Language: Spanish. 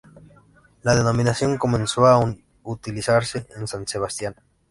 La denominación comenzó a utilizarse en San Sebastián.